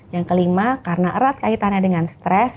yang kelima karena erat kaitannya dengan stres